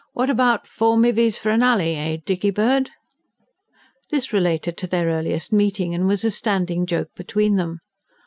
What about: 'Four mivvies for an alley!' eh, Dickybird?" This related to their earliest meeting, and was a standing joke between them.